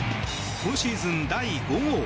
今シーズン第５号。